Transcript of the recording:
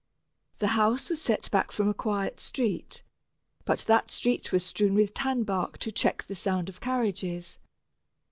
The house was set back from a quiet street, but that street was strewn with tanbark to check the sound of carriages.